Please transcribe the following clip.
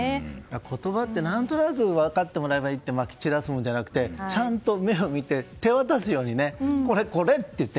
言葉って何となく分かってもらえればいいとまき散らすものじゃなくてちゃんと、目を見て手渡すようにこれって言って。